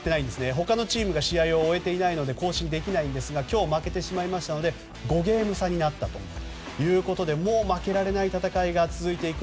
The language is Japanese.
他のチームが試合を終えていないので更新できないんですが今日負けてしまいましたので５ゲーム差になったということでもう負けられない戦いが続いていく。